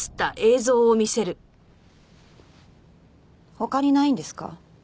他にないんですか？